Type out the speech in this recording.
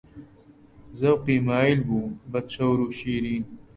زەوقی مایل بوو بە چەور و شیرین